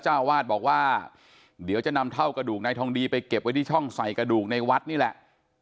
เจ้าวาดบอกว่าเดี๋ยวจะนำเท่ากระดูกนายทองดีไปเก็บไว้ที่ช่องใส่กระดูกในวัดนี่แหละ